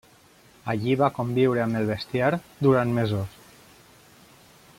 Allí va conviure amb el bestiar durant mesos.